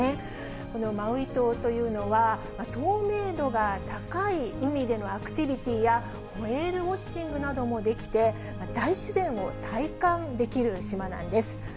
このマウイ島というのは、透明度が高い海でのアクティビティーやホエールウォッチングなどもできて、大自然を体感できる島なんです。